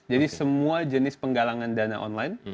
jadi semua jenis penggalangan dana online